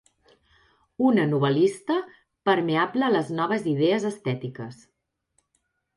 Una novel·lista permeable a les noves idees estètiques.